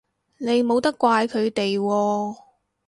你冇得怪佢哋喎